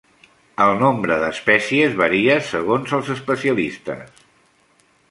El nombre d'espècies varia segons els especialistes.